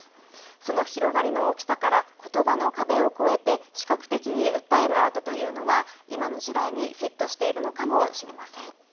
その広がりの大きさから言葉の壁を越えて視覚的に訴えているアートというは今の時代にフィットしているのかもしれません。